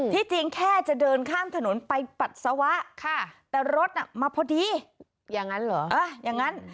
ที่จริงแค่จะเดินข้ามถนนไปปัสสาวะค่ะแต่รถน่ะมาพอดีอย่างนั้นเหรออย่างนั้น